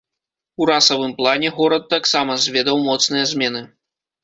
У расавым плане горад таксама зведаў моцныя змены.